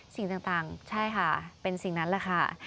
สิ่งต่างใช่ค่ะเป็นสิ่งนั้นแหละค่ะ